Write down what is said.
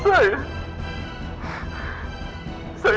saya tidak mau ceritakan ini kepada kamu